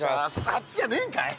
あっちじゃねえんかい！